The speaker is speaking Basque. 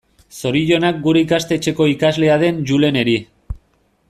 Zorionak gure ikastetxeko ikaslea den Juleneri.